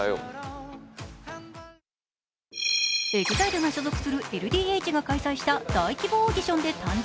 ＥＸＩＬＥが所属するＬＤＨが開催した大規模オーディションで誕生。